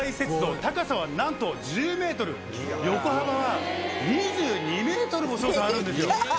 高さはなんと１０ｍ横幅は２２ｍも翔さんあるんですよ。